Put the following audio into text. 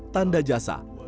tanda jadwal yang berbeda